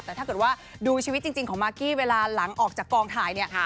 แต่ถ้าเกิดว่าดูชีวิตจริงของมากกี้เวลาหลังออกจากกองถ่ายเนี่ย